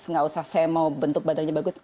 nggak usah saya mau bentuk badannya bagus